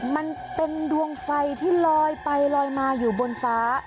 มันเป็นดวงไฟที่ลอยไปลอยมาอยู่บนฟ้า